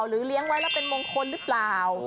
เลี้ยงไว้แล้วเป็นมงคลหรือเปล่า